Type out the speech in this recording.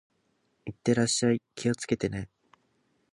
行ってらっしゃい。気をつけてね。